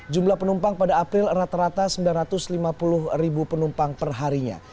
jumlah penumpang pada april rata rata sembilan ratus lima puluh ribu penumpang perharinya